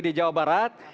di jawa barat